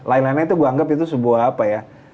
lain lainnya itu gue anggap itu sebuah apa ya